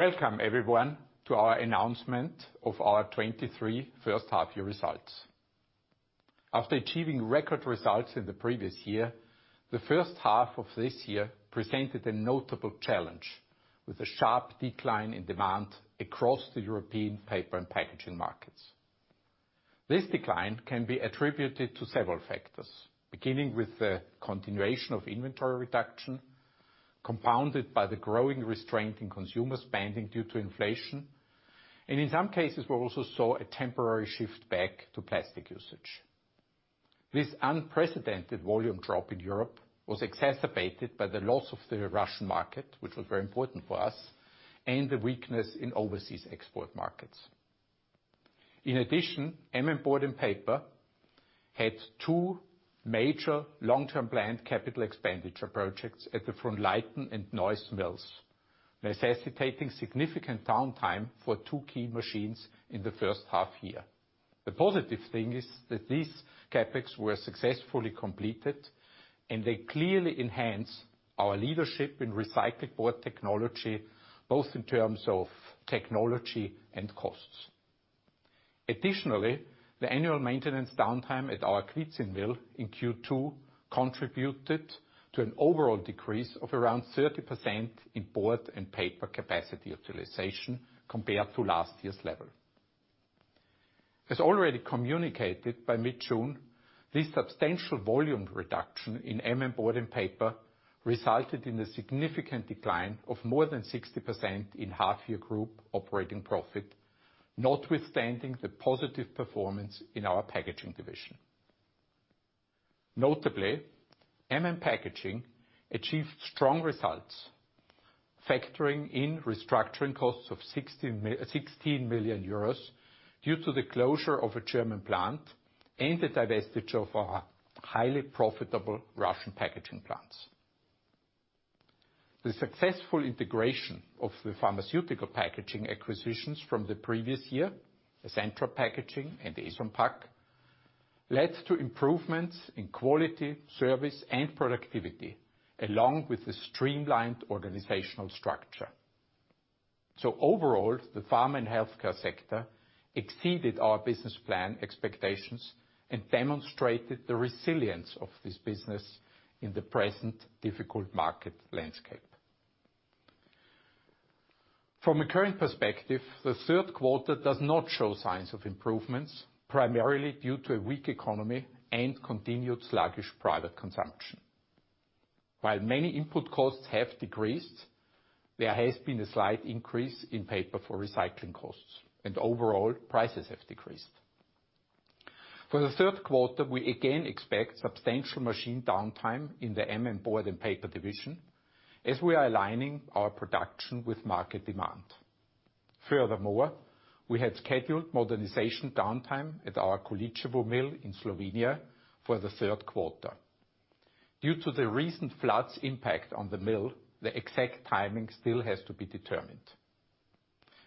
Welcome everyone, to our announcement of our 2023 first half year results. After achieving record results in the previous year, the first half of this year presented a notable challenge, with a sharp decline in demand across the European paper and packaging markets. This decline can be attributed to several factors, beginning with the continuation of inventory reduction, compounded by the growing restraint in consumer spending due to inflation, and in some cases, we also saw a temporary shift back to plastic usage. This unprecedented volume drop in Europe was exacerbated by the loss of the Russian market, which was very important for us, and the weakness in overseas export markets. MM Board & Paper had two major long-term planned capital expenditure projects at the Frohnleiten and Neuss mills, necessitating significant downtime for two key machines in the first half year. The positive thing is that these CapEx were successfully completed, and they clearly enhance our leadership in recycled board technology, both in terms of technology and costs. Additionally, the annual maintenance downtime at our Količevo mill in Q2 contributed to an overall decrease of around 30% in board and paper capacity utilization compared to last year's level. As already communicated by mid-June, this substantial volume reduction in MM Board & Paper resulted in a significant decline of more than 60% in half-year group operating profit, notwithstanding the positive performance in our packaging division. Notably, MM Packaging achieved strong results, factoring in restructuring costs of 16 million euros due to the closure of a German plant and the divestiture of our highly profitable Russian packaging plants. The successful integration of the pharmaceutical packaging acquisitions from the previous year, Essentra Packaging and Eson Pac, led to improvements in quality, service, and productivity, along with the streamlined organizational structure. Overall, the pharma and healthcare sector exceeded our business plan expectations and demonstrated the resilience of this business in the present difficult market landscape. From a current perspective, the third quarter does not show signs of improvements, primarily due to a weak economy and continued sluggish private consumption. While many input costs have decreased, there has been a slight increase in paper for recycling costs, and overall, prices have decreased. For the third quarter, we again expect substantial machine downtime in the MM Board & Paper division as we are aligning our production with market demand. Furthermore, we had scheduled modernization downtime at our Kočevje mill in Slovenia for the third quarter. Due to the recent floods' impact on the mill, the exact timing still has to be determined.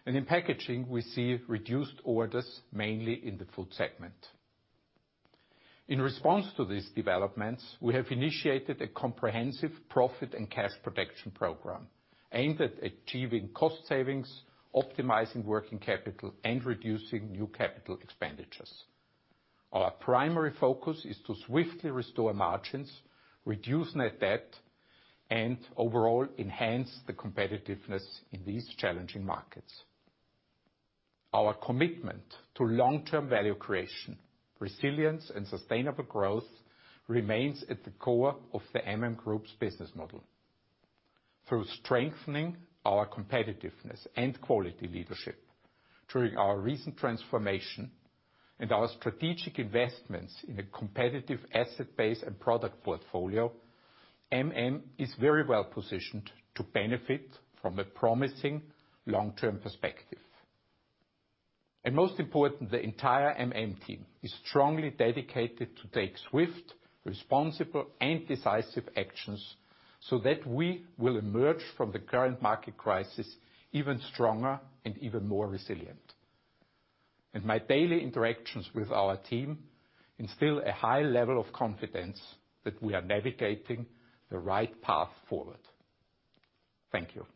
In packaging, we see reduced orders, mainly in the food segment. In response to these developments, we have initiated a comprehensive profit and cash protection program aimed at achieving cost savings, optimizing working capital, and reducing new capital expenditures. Our primary focus is to swiftly restore margins, reduce net debt, and overall enhance the competitiveness in these challenging markets. Our commitment to long-term value creation, resilience, and sustainable growth remains at the core of the MM Group's business model. Through strengthening our competitiveness and quality leadership during our recent transformation and our strategic investments in a competitive asset base and product portfolio, MM is very well-positioned to benefit from a promising long-term perspective. Most important, the entire MM team is strongly dedicated to take swift, responsible, and decisive actions so that we will emerge from the current market crisis even stronger and even more resilient. My daily interactions with our team instill a high level of confidence that we are navigating the right path forward. Thank you.